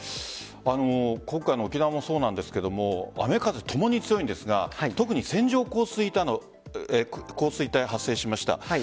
今回の沖縄もそうですが雨、風ともに強いんですが特に線状降水帯発生しました。